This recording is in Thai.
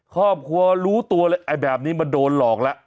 ครอบครัวรู้ตัวแบบนี้มาโดนหลอกแล้ว